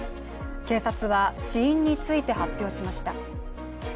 警察は死因について発表しました。